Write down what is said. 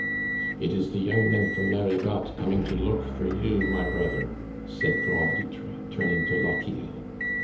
*' It is the young men from Marigotte coming to look for you, my brother," said Grand Loutre, turning to Lochiel.